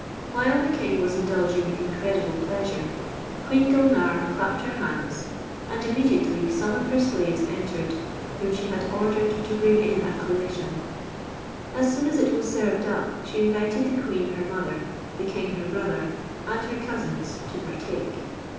While the king was indulging incredible pleasure, Queen Gulnare clapped her hands, and immediately some of her slaves entered, whom she had ordered to bring in a collation: as soon as it was served up, she invited the queen her mother, the king her brother, and her cousins to partake.